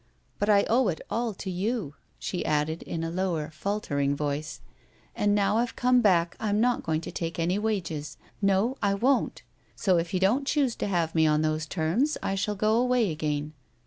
But I owe it all to you," she added in a lower faltering voice ;" and now I've come back I'm not going to take any wages. No ! I won't ! So, if you don't choose to have me on those terms, I shall go away again."